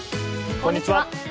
こんにちは。